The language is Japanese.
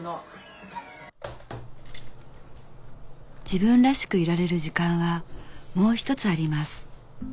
自分らしくいられる時間はもう一つあります